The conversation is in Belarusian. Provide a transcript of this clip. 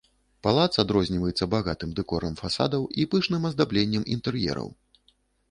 Палац адрозніваецца багатым дэкорам фасадаў і пышным аздабленнем інтэр'ераў.